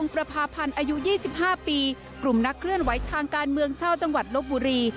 ประพาพันธ์อายุ๒๕ปีกลุ่มนักเคลื่อนไหวทางการเมืองชาวจังหวัดลบบุรี